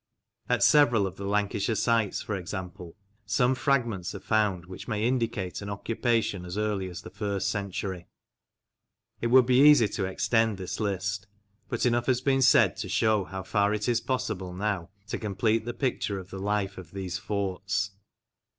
At several of the Lancashire sites, for example, some fragments are found which may indicate an occupation as early as the first century. It would be easy to extend this list, but enough has been said to shew how far it is possible now to complete the picture of the life of these forts.